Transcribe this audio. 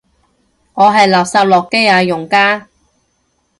我係垃圾諾基亞用家